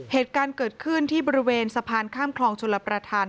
เหตุการณ์เกิดขึ้นที่บริเวณสะพานข้ามคลองชลประธาน